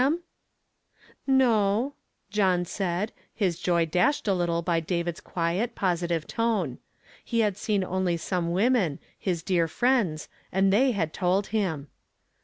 329 "No," John said, his joy daslied a little hv s quiet, positive tone. He had see n only some his dear fri. nds, and they hud told him.